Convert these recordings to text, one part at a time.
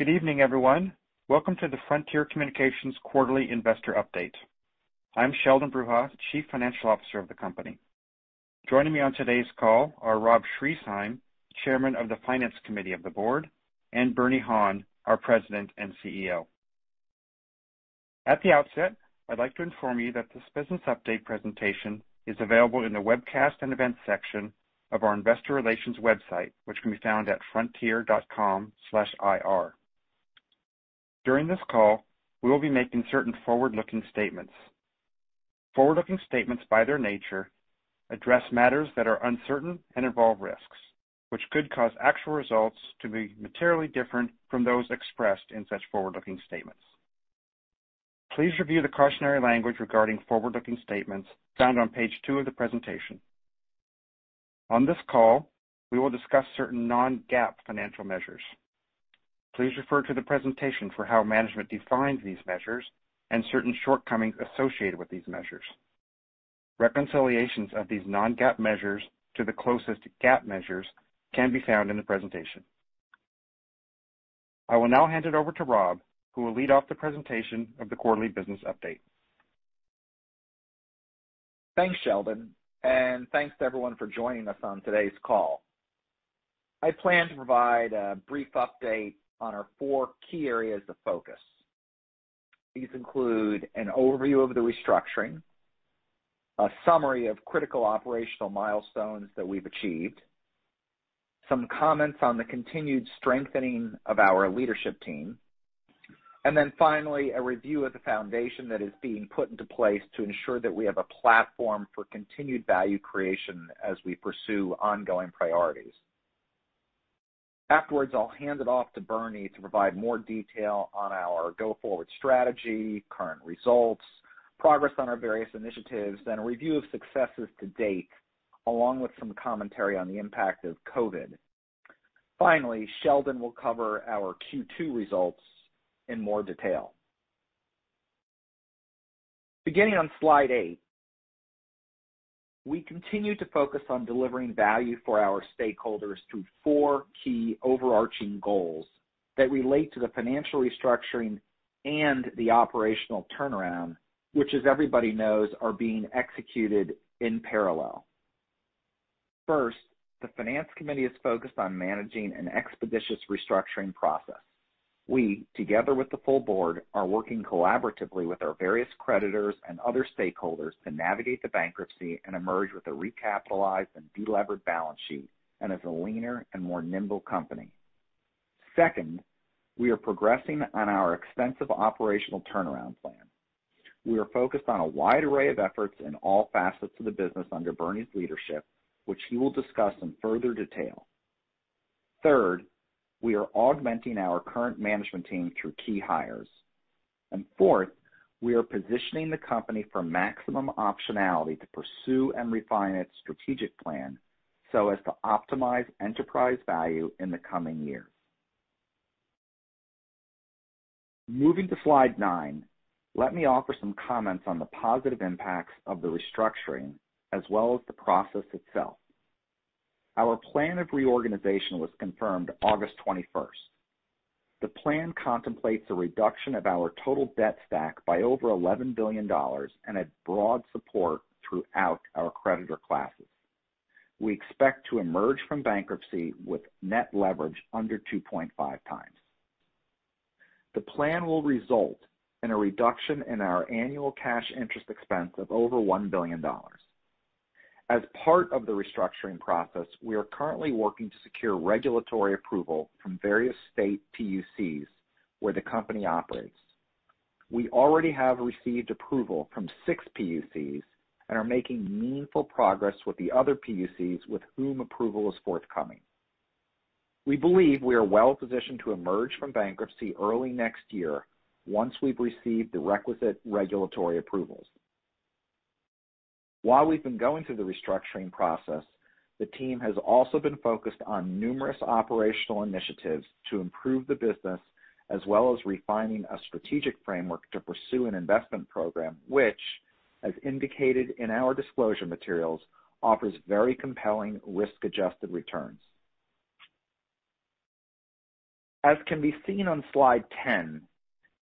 Good evening, everyone. Welcome to the Frontier Communications Quarterly Investor Update. I'm Sheldon Bruha, Chief Financial Officer of the company. Joining me on today's call are Rob Schriesheim, Chairman of the Finance Committee of the Board, and Bernie Han, our President and CEO. At the outset, I'd like to inform you that this business update presentation is available in the webcast and events section of our Investor Relations website, which can be found at frontier.com/ir. During this call, we will be making certain forward-looking statements. Forward-looking statements, by their nature, address matters that are uncertain and involve risks, which could cause actual results to be materially different from those expressed in such forward-looking statements. Please review the cautionary language regarding forward-looking statements found on page two of the presentation. On this call, we will discuss certain non-GAAP financial measures. Please refer to the presentation for how management defines these measures and certain shortcomings associated with these measures. Reconciliations of these non-GAAP measures to the closest GAAP measures can be found in the presentation. I will now hand it over to Rob, who will lead off the presentation of the quarterly business update. Thanks, Sheldon, and thanks to everyone for joining us on today's call. I plan to provide a brief update on our four key areas of focus. These include an overview of the restructuring, a summary of critical operational milestones that we've achieved, some comments on the continued strengthening of our leadership team, and then finally, a review of the foundation that is being put into place to ensure that we have a platform for continued value creation as we pursue ongoing priorities. Afterwards, I'll hand it off to Bernie to provide more detail on our go-forward strategy, current results, progress on our various initiatives, and a review of successes to date, along with some commentary on the impact of COVID. Finally, Sheldon will cover our Q2 results in more detail. Beginning on slide eight, we continue to focus on delivering value for our stakeholders through four key overarching goals that relate to the financial restructuring and the operational turnaround, which, as everybody knows, are being executed in parallel. First, the Finance Committee is focused on managing an expeditious restructuring process. We, together with the full board, are working collaboratively with our various creditors and other stakeholders to navigate the bankruptcy and emerge with a recapitalized and deleveraged balance sheet and as a leaner and more nimble company. Second, we are progressing on our extensive operational turnaround plan. We are focused on a wide array of efforts in all facets of the business under Bernie's leadership, which he will discuss in further detail. Third, we are augmenting our current management team through key hires. Fourth, we are positioning the company for maximum optionality to pursue and refine its strategic plan so as to optimize enterprise value in the coming years. Moving to slide nine, let me offer some comments on the positive impacts of the restructuring as well as the process itself. Our plan of reorganization was confirmed August 21st. The plan contemplates a reduction of our total debt stack by over $11 billion and broad support throughout our creditor classes. We expect to emerge from bankruptcy with net leverage under 2.5 times. The plan will result in a reduction in our annual cash interest expense of over $1 billion. As part of the restructuring process, we are currently working to secure regulatory approval from various state PUCs where the company operates. We already have received approval from six PUCs and are making meaningful progress with the other PUCs with whom approval is forthcoming. We believe we are well positioned to emerge from bankruptcy early next year once we've received the requisite regulatory approvals. While we've been going through the restructuring process, the team has also been focused on numerous operational initiatives to improve the business as well as refining a strategic framework to pursue an investment program which, as indicated in our disclosure materials, offers very compelling risk-adjusted returns. As can be seen on slide 10,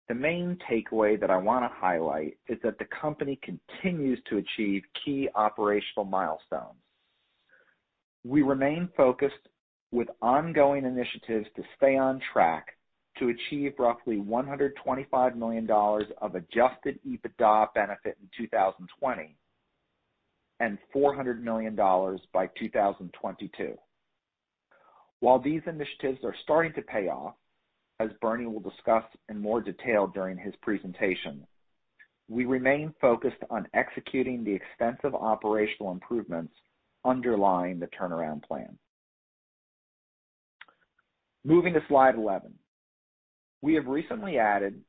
the main takeaway that I want to highlight is that the company continues to achieve key operational milestones. We remain focused with ongoing initiatives to stay on track to achieve roughly $125 million of Adjusted EBITDA benefit in 2020 and $400 million by 2022. While these initiatives are starting to pay off, as Bernie will discuss in more detail during his presentation, we remain focused on executing the extensive operational improvements underlying the turnaround plan. Moving to slide 11, we have recently added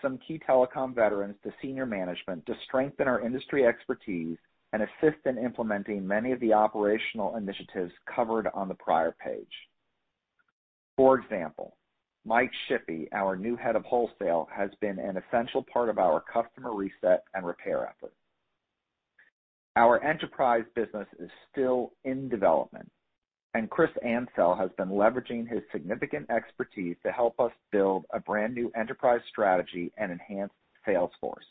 some key telecom veterans to senior management to strengthen our industry expertise and assist in implementing many of the operational initiatives covered on the prior page. For example, Mike Shippey, our new head of wholesale, has been an essential part of our customer reset and repair effort. Our enterprise business is still in development, and Chris Ancell has been leveraging his significant expertise to help us build a brand new enterprise strategy and enhanced sales force.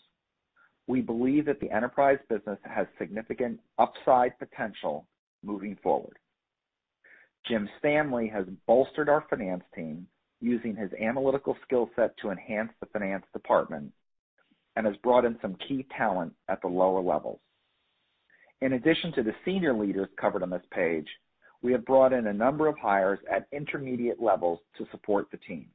We believe that the enterprise business has significant upside potential moving forward. Jim Stanley has bolstered our finance team using his analytical skill set to enhance the finance department and has brought in some key talent at the lower levels. In addition to the senior leaders covered on this page, we have brought in a number of hires at intermediate levels to support the team.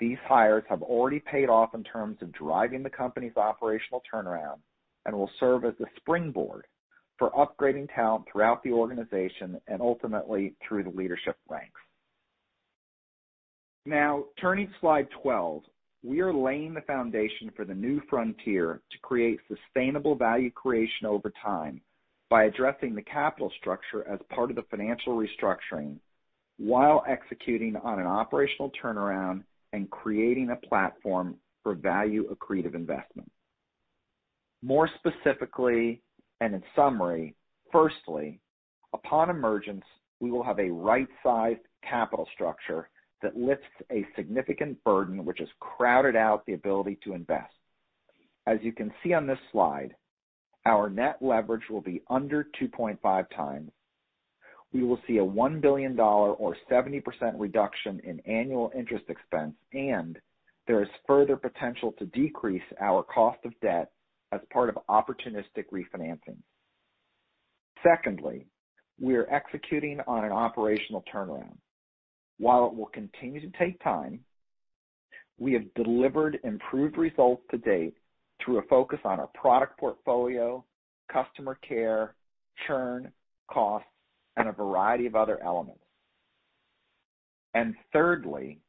These hires have already paid off in terms of driving the company's operational turnaround and will serve as the springboard for upgrading talent throughout the organization and ultimately through the leadership ranks. Now, turning to slide 12, we are laying the foundation for the new frontier to create sustainable value creation over time by addressing the capital structure as part of the financial restructuring while executing on an operational turnaround and creating a platform for value-accretive investment. More specifically and in summary, firstly, upon emergence, we will have a right-sized capital structure that lifts a significant burden which has crowded out the ability to invest. As you can see on this slide, our net leverage will be under 2.5 times. We will see a $1 billion or 70% reduction in annual interest expense, and there is further potential to decrease our cost of debt as part of opportunistic refinancing. Secondly, we are executing on an operational turnaround. While it will continue to take time, we have delivered improved results to date through a focus on our product portfolio, customer care, churn, costs, and a variety of other elements. Thirdly,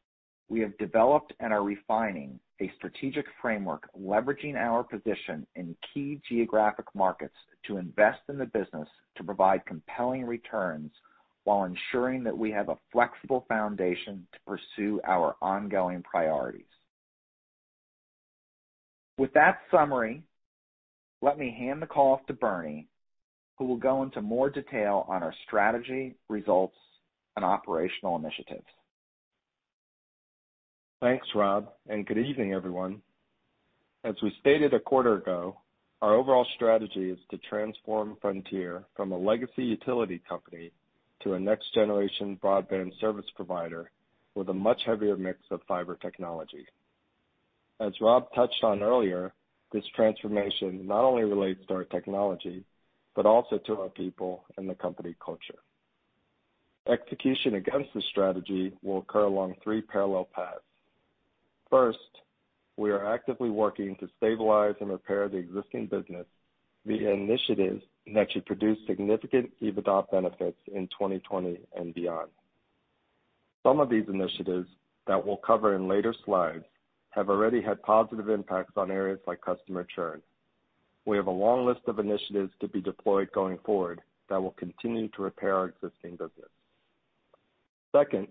we have developed and are refining a strategic framework leveraging our position in key geographic markets to invest in the business to provide compelling returns while ensuring that we have a flexible foundation to pursue our ongoing priorities. With that summary, let me hand the call off to Bernie, who will go into more detail on our strategy, results, and operational initiatives. Thanks, Rob, and good evening, everyone. As we stated a quarter ago, our overall strategy is to transform Frontier from a legacy utility company to a next-generation broadband service provider with a much heavier mix of fiber technology. As Rob touched on earlier, this transformation not only relates to our technology but also to our people and the company culture. Execution against the strategy will occur along three parallel paths. First, we are actively working to stabilize and repair the existing business via initiatives that should produce significant EBITDA benefits in 2020 and beyond. Some of these initiatives that we'll cover in later slides have already had positive impacts on areas like customer churn. We have a long list of initiatives to be deployed going forward that will continue to repair our existing business. Second,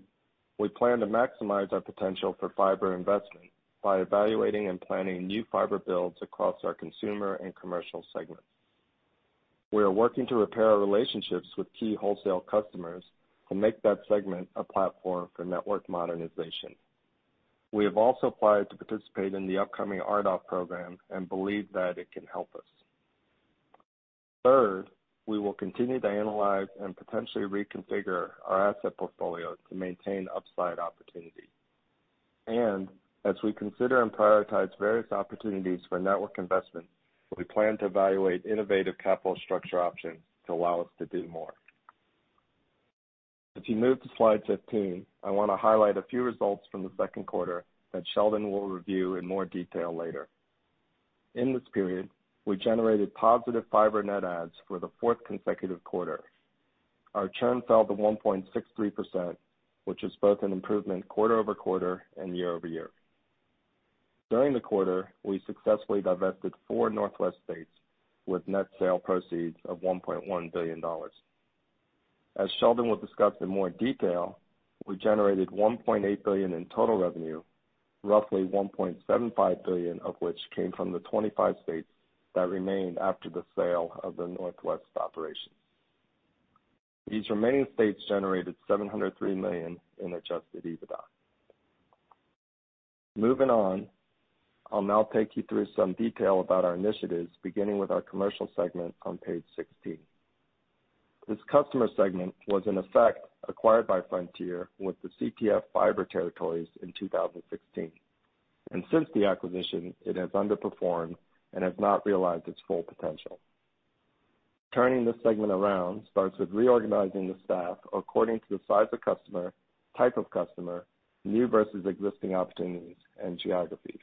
we plan to maximize our potential for fiber investment by evaluating and planning new fiber builds across our consumer and commercial segments. We are working to repair our relationships with key wholesale customers to make that segment a platform for network modernization. We have also applied to participate in the upcoming RDOF program and believe that it can help us. Third, we will continue to analyze and potentially reconfigure our asset portfolio to maintain upside opportunity. And as we consider and prioritize various opportunities for network investment, we plan to evaluate innovative capital structure options to allow us to do more. As you move to slide 15, I want to highlight a few results from the second quarter that Sheldon will review in more detail later. In this period, we generated positive fiber net adds for the fourth consecutive quarter. Our churn fell to 1.63%, which is both an improvement quarter over quarter and year over year. During the quarter, we successfully divested four Northwest states with net sale proceeds of $1.1 billion. As Sheldon will discuss in more detail, we generated $1.8 billion in total revenue, roughly $1.75 billion of which came from the 25 states that remained after the sale of the Northwest operations. These remaining states generated $703 million in Adjusted EBITDA. Moving on, I'll now take you through some detail about our initiatives, beginning with our commercial segment on page 16. This customer segment was, in effect, acquired by Frontier with the CTF fiber territories in 2016, and since the acquisition, it has underperformed and has not realized its full potential. Turning this segment around starts with reorganizing the staff according to the size of customer, type of customer, new versus existing opportunities, and geography.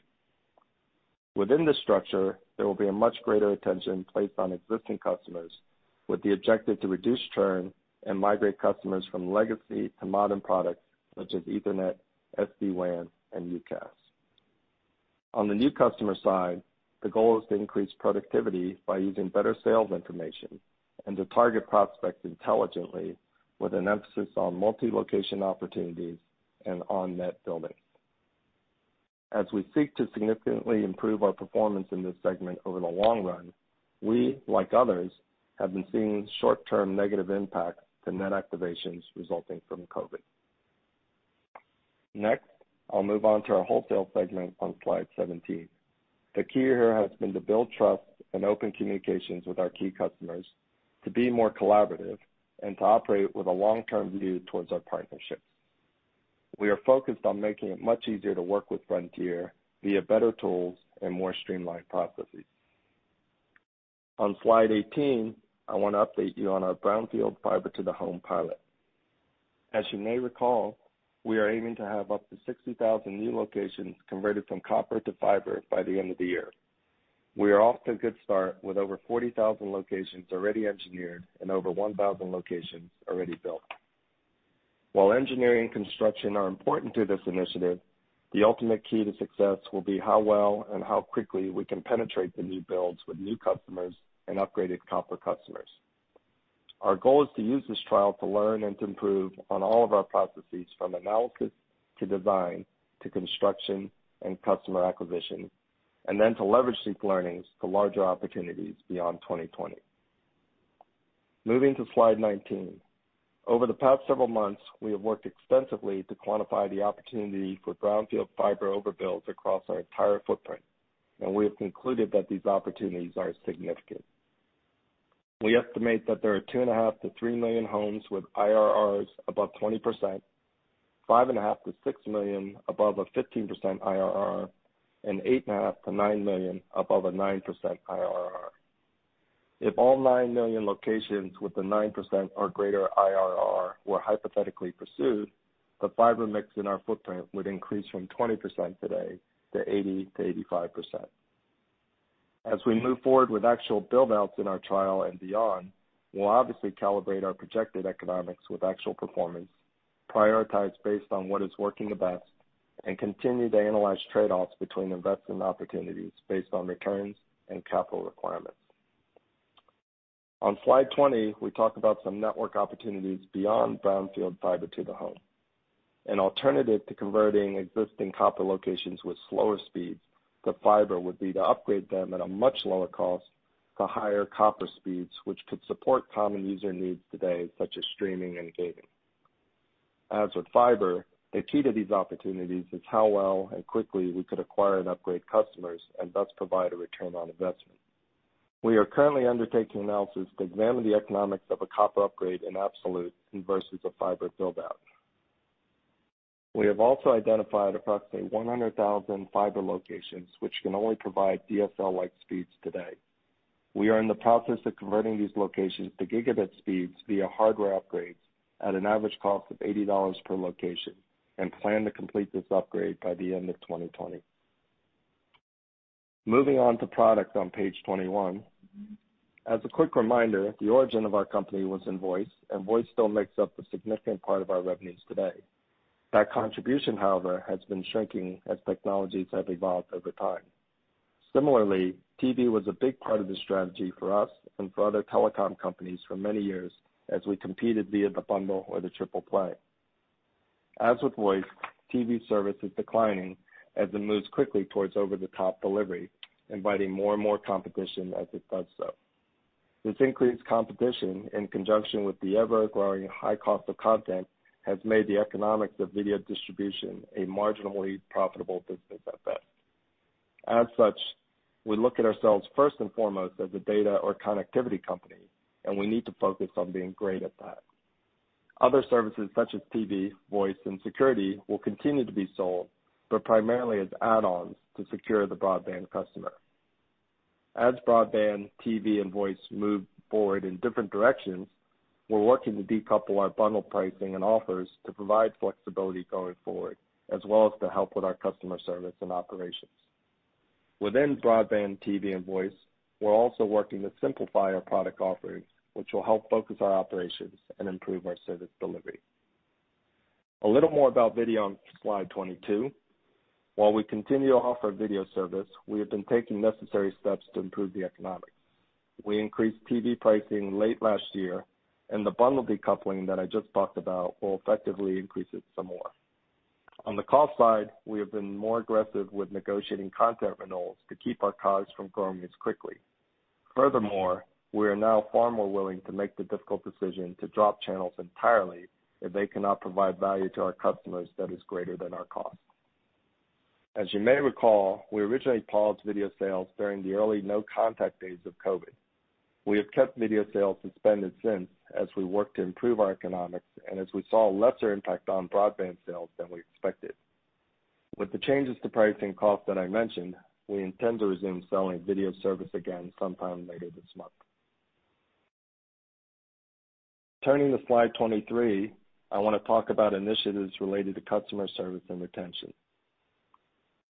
Within this structure, there will be a much greater attention placed on existing customers with the objective to reduce churn and migrate customers from legacy to modern products such as Ethernet, SD-WAN, and UCaaS. On the new customer side, the goal is to increase productivity by using better sales information and to target prospects intelligently with an emphasis on multi-location opportunities and on-net buildings. As we seek to significantly improve our performance in this segment over the long run, we, like others, have been seeing short-term negative impacts to net activations resulting from COVID. Next, I'll move on to our wholesale segment on slide 17. The key here has been to build trust and open communications with our key customers, to be more collaborative, and to operate with a long-term view towards our partnerships. We are focused on making it much easier to work with Frontier via better tools and more streamlined processes. On slide 18, I want to update you on our Brownfield fiber-to-the-home pilot. As you may recall, we are aiming to have up to 60,000 new locations converted from copper to fiber by the end of the year. We are off to a good start with over 40,000 locations already engineered and over 1,000 locations already built. While engineering and construction are important to this initiative, the ultimate key to success will be how well and how quickly we can penetrate the new builds with new customers and upgraded copper customers. Our goal is to use this trial to learn and to improve on all of our processes from analysis to design to construction and customer acquisition, and then to leverage these learnings to larger opportunities beyond 2020. Moving to slide 19, over the past several months, we have worked extensively to quantify the opportunity for brownfield fiber overbuilds across our entire footprint, and we have concluded that these opportunities are significant. We estimate that there are 2.5-3 million homes with IRRs above 20%, 5.5-6 million above a 15% IRR, and 8.5-9 million above a 9% IRR. If all 9 million locations with the 9% or greater IRR were hypothetically pursued, the fiber mix in our footprint would increase from 20% today to 80%-85%. As we move forward with actual buildouts in our trial and beyond, we'll obviously calibrate our projected economics with actual performance, prioritize based on what is working the best, and continue to analyze trade-offs between investment opportunities based on returns and capital requirements. On slide 20, we talk about some network opportunities beyond Brownfield fiber-to-the-home. An alternative to converting existing copper locations with slower speeds to fiber would be to upgrade them at a much lower cost to higher copper speeds, which could support common user needs today, such as streaming and gaming. As with fiber, the key to these opportunities is how well and quickly we could acquire and upgrade customers and thus provide a return on investment. We are currently undertaking analysis to examine the economics of a copper upgrade in absolute versus a fiber buildout. We have also identified approximately 100,000 fiber locations, which can only provide DSL-like speeds today. We are in the process of converting these locations to gigabit speeds via hardware upgrades at an average cost of $80 per location and plan to complete this upgrade by the end of 2020. Moving on to product on page 21, as a quick reminder, the origin of our company was in voice, and voice still makes up a significant part of our revenues today. That contribution, however, has been shrinking as technologies have evolved over time. Similarly, TV was a big part of the strategy for us and for other telecom companies for many years as we competed via the bundle or the triple play. As with voice, TV service is declining as it moves quickly towards over-the-top delivery, inviting more and more competition as it does so. This increased competition, in conjunction with the ever-growing high cost of content, has made the economics of video distribution a marginally profitable business at best. As such, we look at ourselves first and foremost as a data or connectivity company, and we need to focus on being great at that. Other services such as TV, voice, and security will continue to be sold, but primarily as add-ons to secure the broadband customer. As broadband, TV, and voice move forward in different directions, we're working to decouple our bundle pricing and offers to provide flexibility going forward, as well as to help with our customer service and operations. Within broadband, TV, and voice, we're also working to simplify our product offerings, which will help focus our operations and improve our service delivery. A little more about video on slide 22. While we continue to offer video service, we have been taking necessary steps to improve the economics. We increased TV pricing late last year, and the bundle decoupling that I just talked about will effectively increase it some more. On the cost side, we have been more aggressive with negotiating content renewals to keep our costs from growing as quickly. Furthermore, we are now far more willing to make the difficult decision to drop channels entirely if they cannot provide value to our customers that is greater than our cost. As you may recall, we originally paused video sales during the early no-contact days of COVID. We have kept video sales suspended since as we worked to improve our economics and as we saw lesser impact on broadband sales than we expected. With the changes to pricing costs that I mentioned, we intend to resume selling video service again sometime later this month. Turning to slide 23, I want to talk about initiatives related to customer service and retention.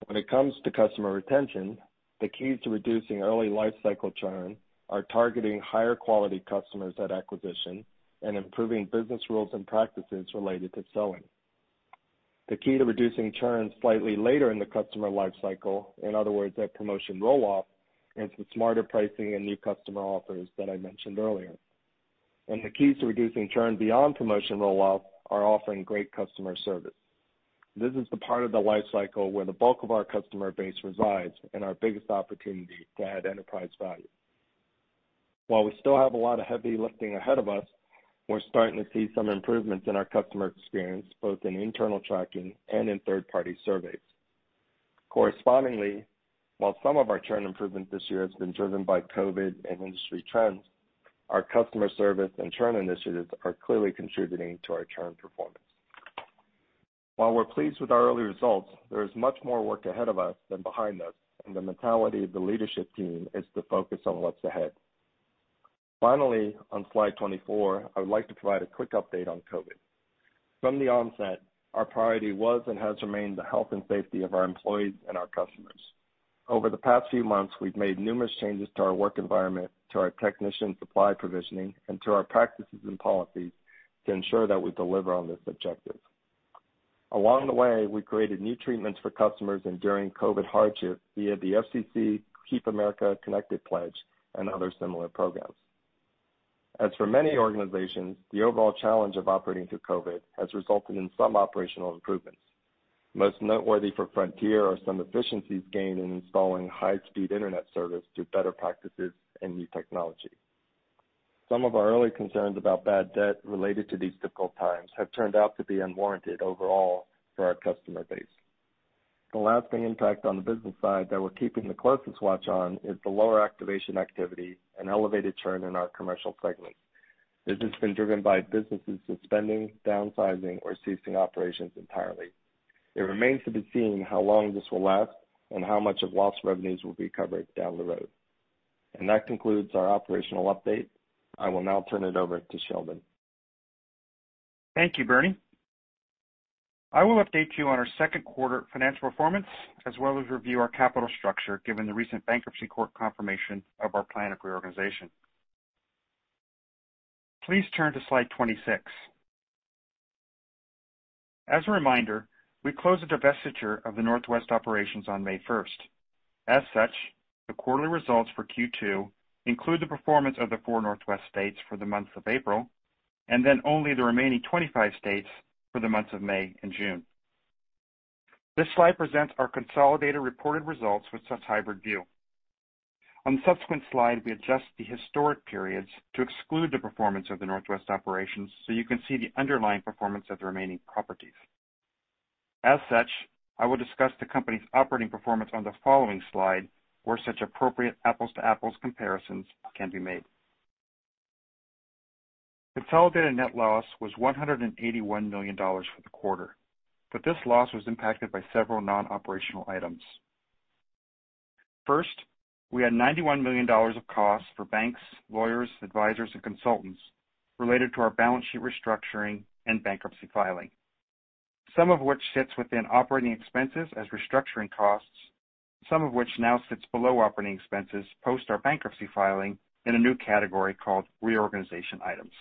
When it comes to customer retention, the keys to reducing early life cycle churn are targeting higher quality customers at acquisition and improving business rules and practices related to selling. The key to reducing churn slightly later in the customer life cycle, in other words, at promotion rolloff, is the smarter pricing and new customer offers that I mentioned earlier, and the keys to reducing churn beyond promotion rolloff are offering great customer service. This is the part of the life cycle where the bulk of our customer base resides and our biggest opportunity to add enterprise value. While we still have a lot of heavy lifting ahead of us, we're starting to see some improvements in our customer experience, both in internal tracking and in third-party surveys. Correspondingly, while some of our churn improvement this year has been driven by COVID and industry trends, our customer service and churn initiatives are clearly contributing to our churn performance. While we're pleased with our early results, there is much more work ahead of us than behind us, and the mentality of the leadership team is to focus on what's ahead. Finally, on slide 24, I would like to provide a quick update on COVID. From the onset, our priority was and has remained the health and safety of our employees and our customers. Over the past few months, we've made numerous changes to our work environment, to our technician supply provisioning, and to our practices and policies to ensure that we deliver on this objective. Along the way, we created new treatments for customers enduring COVID hardship via the FCC Keep America Connected Pledge and other similar programs. As for many organizations, the overall challenge of operating through COVID has resulted in some operational improvements. Most noteworthy for Frontier are some efficiencies gained in installing high-speed internet service through better practices and new technology. Some of our early concerns about bad debt related to these difficult times have turned out to be unwarranted overall for our customer base. The lasting impact on the business side that we're keeping the closest watch on is the lower activation activity and elevated churn in our commercial segments. This has been driven by businesses suspending, downsizing, or ceasing operations entirely. It remains to be seen how long this will last and how much of lost revenues will be covered down the road. And that concludes our operational update. I will now turn it over to Sheldon. Thank you, Bernie. I will update you on our second quarter financial performance, as well as review our capital structure given the recent bankruptcy court confirmation of our plan of reorganization. Please turn to slide 26. As a reminder, we closed the divestiture of the Northwest operations on May 1st. As such, the quarterly results for Q2 include the performance of the four Northwest states for the month of April and then only the remaining 25 states for the months of May and June. This slide presents our consolidated reported results with such hybrid view. On the subsequent slide, we adjust the historic periods to exclude the performance of the Northwest operations so you can see the underlying performance of the remaining properties. As such, I will discuss the company's operating performance on the following slide where such appropriate apples-to-apples comparisons can be made. Consolidated net loss was $181 million for the quarter, but this loss was impacted by several non-operational items. First, we had $91 million of costs for banks, lawyers, advisors, and consultants related to our balance sheet restructuring and bankruptcy filing, some of which sits within operating expenses as restructuring costs, some of which now sits below operating expenses post our bankruptcy filing in a new category called reorganization items.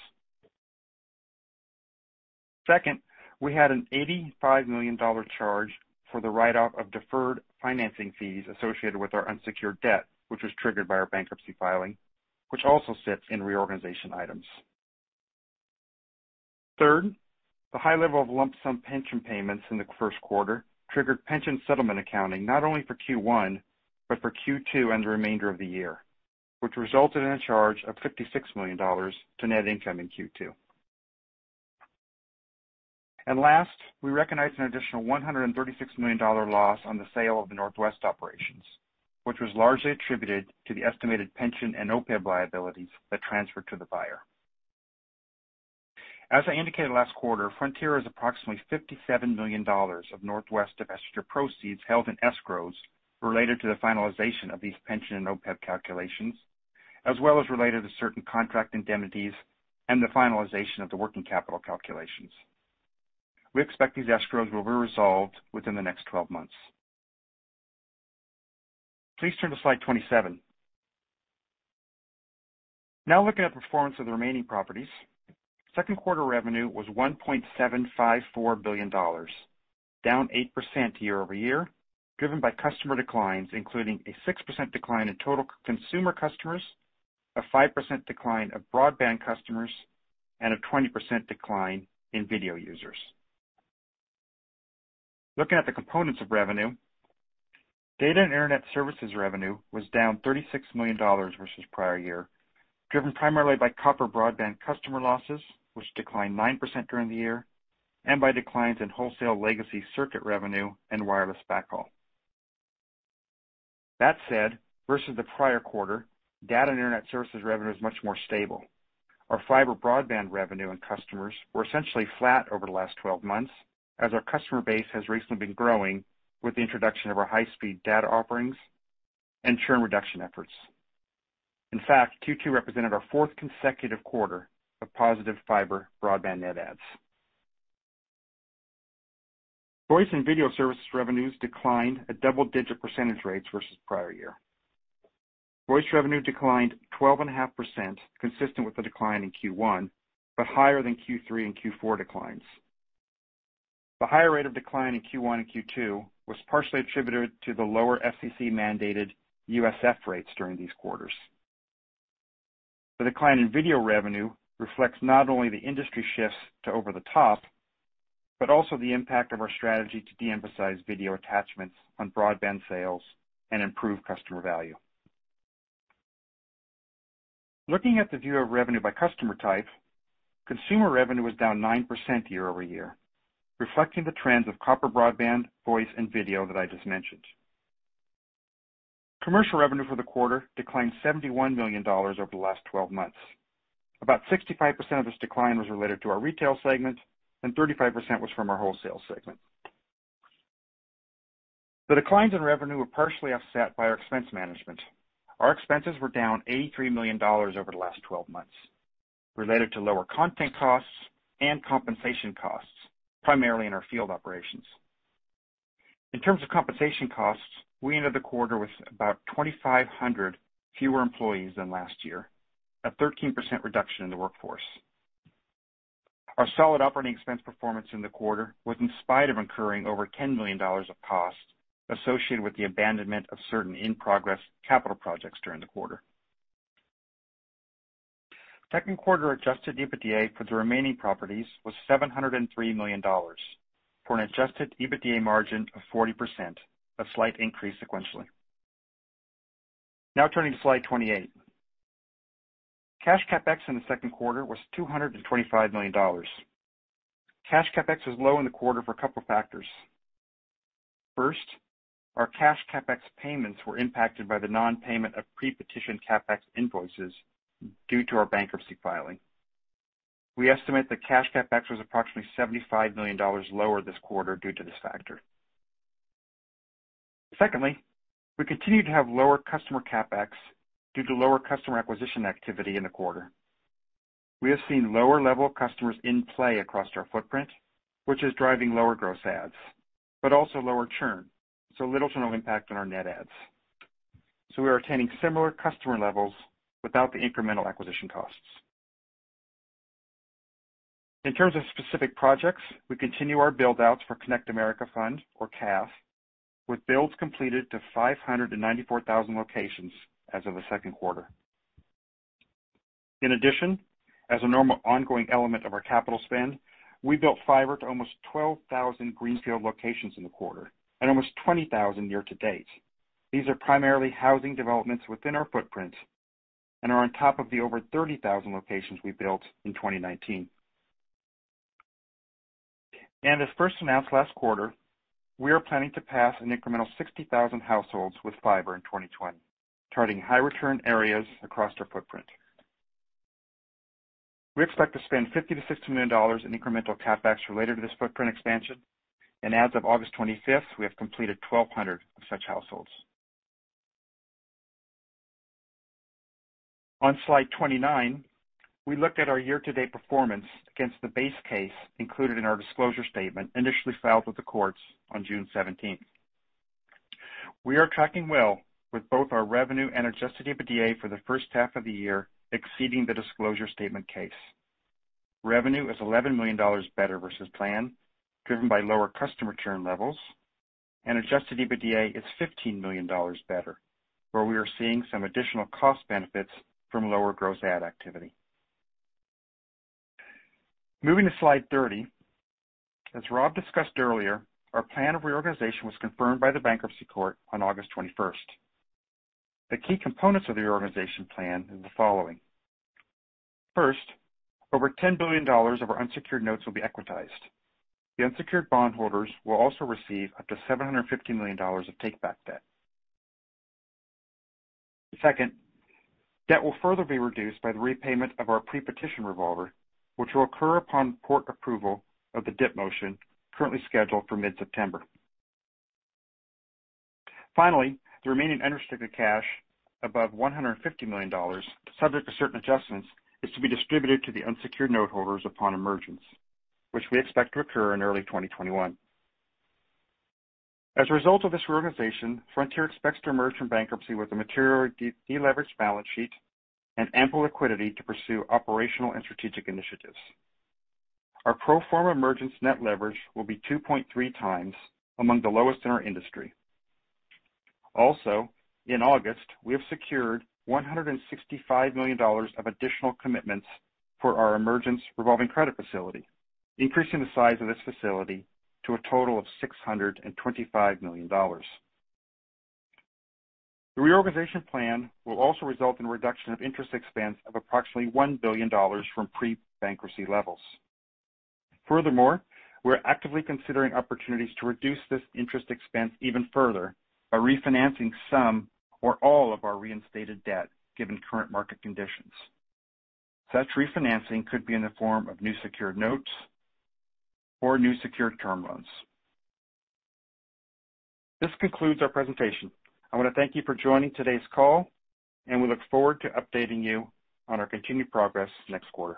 Second, we had an $85 million charge for the write-off of deferred financing fees associated with our unsecured debt, which was triggered by our bankruptcy filing, which also sits in reorganization items. Third, the high level of lump sum pension payments in the first quarter triggered pension settlement accounting not only for Q1 but for Q2 and the remainder of the year, which resulted in a charge of $56 million to net income in Q2. Last, we recognize an additional $136 million loss on the sale of the Northwest operations, which was largely attributed to the estimated pension and OPEB liabilities that transferred to the buyer. As I indicated last quarter, Frontier has approximately $57 million of Northwest divestiture proceeds held in escrows related to the finalization of these pension and OPEB calculations, as well as related to certain contract indemnities and the finalization of the working capital calculations. We expect these escrows will be resolved within the next 12 months. Please turn to slide 27. Now looking at performance of the remaining properties, second quarter revenue was $1.754 billion, down 8% year over year, driven by customer declines, including a 6% decline in total consumer customers, a 5% decline of broadband customers, and a 20% decline in video users. Looking at the components of revenue, data and internet services revenue was down $36 million versus prior year, driven primarily by copper broadband customer losses, which declined 9% during the year, and by declines in wholesale legacy circuit revenue and wireless backhaul. That said, versus the prior quarter, data and internet services revenue is much more stable. Our fiber broadband revenue and customers were essentially flat over the last 12 months, as our customer base has recently been growing with the introduction of our high-speed data offerings and churn reduction efforts. In fact, Q2 represented our fourth consecutive quarter of positive fiber broadband net adds. Voice and video services revenues declined at double-digit percentage rates versus prior year. Voice revenue declined 12.5%, consistent with the decline in Q1, but higher than Q3 and Q4 declines. The higher rate of decline in Q1 and Q2 was partially attributed to the lower FCC-mandated USF rates during these quarters. The decline in video revenue reflects not only the industry shifts to over-the-top, but also the impact of our strategy to de-emphasize video attachments on broadband sales and improve customer value. Looking at the view of revenue by customer type, consumer revenue was down 9% year over year, reflecting the trends of copper broadband, voice, and video that I just mentioned. Commercial revenue for the quarter declined $71 million over the last 12 months. About 65% of this decline was related to our retail segment, and 35% was from our wholesale segment. The declines in revenue were partially offset by our expense management. Our expenses were down $83 million over the last 12 months, related to lower content costs and compensation costs, primarily in our field operations. In terms of compensation costs, we ended the quarter with about 2,500 fewer employees than last year, a 13% reduction in the workforce. Our solid operating expense performance in the quarter was in spite of incurring over $10 million of costs associated with the abandonment of certain in-progress capital projects during the quarter. Second quarter adjusted EBITDA for the remaining properties was $703 million for an adjusted EBITDA margin of 40%, a slight increase sequentially. Now turning to slide 28. Cash CapEx in the second quarter was $225 million. Cash CapEx was low in the quarter for a couple of factors. First, our cash CapEx payments were impacted by the nonpayment of pre-petition CapEx invoices due to our bankruptcy filing. We estimate that cash CapEx was approximately $75 million lower this quarter due to this factor. Secondly, we continue to have lower customer CapEx due to lower customer acquisition activity in the quarter. We have seen lower level of customers in play across our footprint, which is driving lower gross adds, but also lower churn, so little to no impact on our net adds. So we are attaining similar customer levels without the incremental acquisition costs. In terms of specific projects, we continue our build-outs for Connect America Fund, or CAF, with builds completed to 594,000 locations as of the second quarter. In addition, as a normal ongoing element of our capital spend, we built fiber to almost 12,000 greenfield locations in the quarter and almost 20,000 year to date. These are primarily housing developments within our footprint and are on top of the over 30,000 locations we built in 2019. As first announced last quarter, we are planning to pass an incremental 60,000 households with fiber in 2020, targeting high-return areas across our footprint. We expect to spend $50 million-$60 million in incremental CapEx related to this footprint expansion, and as of August 25th, we have completed 1,200 of such households. On slide 29, we looked at our year-to-date performance against the base case included in our disclosure statement initially filed with the courts on June 17th. We are tracking well with both our revenue and Adjusted EBITDA for the first half of the year exceeding the disclosure statement case. Revenue is $11 million better versus plan, driven by lower customer churn levels, and Adjusted EBITDA is $15 million better, where we are seeing some additional cost benefits from lower gross add activity. Moving to slide 30, as Rob discussed earlier, our plan of reorganization was confirmed by the bankruptcy court on August 21st. The key components of the reorganization plan are the following. First, over $10 billion of our unsecured notes will be equitized. The unsecured bondholders will also receive up to $750 million of take-back debt. Second, debt will further be reduced by the repayment of our pre-petition revolver, which will occur upon court approval of the DIP motion currently scheduled for mid-September. Finally, the remaining unrestricted cash above $150 million, subject to certain adjustments, is to be distributed to the unsecured noteholders upon emergence, which we expect to occur in early 2021. As a result of this reorganization, Frontier expects to emerge from bankruptcy with a material deleveraged balance sheet and ample liquidity to pursue operational and strategic initiatives. Our pro forma emergence net leverage will be 2.3 times among the lowest in our industry. Also, in August, we have secured $165 million of additional commitments for our emergence Revolving Credit Facility, increasing the size of this facility to a total of $625 million. The reorganization plan will also result in a reduction of interest expense of approximately $1 billion from pre-bankruptcy levels. Furthermore, we are actively considering opportunities to reduce this interest expense even further by refinancing some or all of our reinstated debt given current market conditions. Such refinancing could be in the form of new secured notes or new secured term loans. This concludes our presentation. I want to thank you for joining today's call, and we look forward to updating you on our continued progress next quarter.